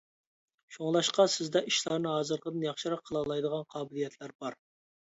شۇڭلاشقا سىزدە ئىشلارنى ھازىرقىدىن ياخشىراق قىلالايدىغان قابىلىيەتلەر بار.